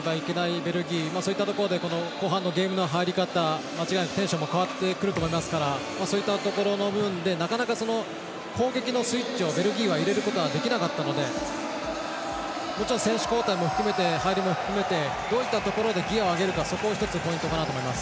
ベルギーそういったところで後半のゲームの入り方間違いなくテンションも変わってくると思いますからそういったところの部分でなかなか、攻撃のスイッチをなかなかベルギーは入れることができなかったのでもちろん選手交代も含めて入りも含めてどういったところでギアを上げるかそこが一つポイントかなと思います。